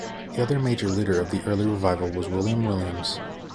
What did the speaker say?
The other major leader of the early revival was William Williams.